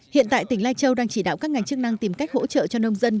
hiện tại tỉnh lai châu đang chỉ đạo các ngành chức năng tìm cách hỗ trợ cho nông dân